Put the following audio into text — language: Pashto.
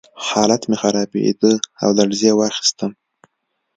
حالت مې خرابېده او لړزې واخیستم